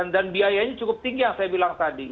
dan biayanya cukup tinggi yang saya bilang tadi